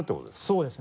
そうですね。